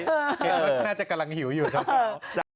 เฮ้ยมันน่าจะกำลังหิวอยู่ครับ